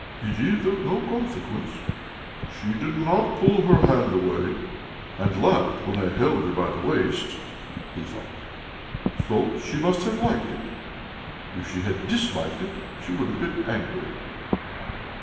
"It's of no consequence.... She did not pull her hand away, and laughed when I held her by the waist," he thought. "So she must have liked it. If she had disliked it she would have been angry...."